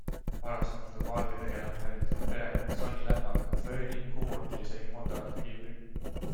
Varasemalt on valge tegelane hävitanud peremehe Sony läpaka, fööni, kummuti ja isegi mootorrattakiivri.